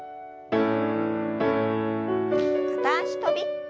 片脚跳び。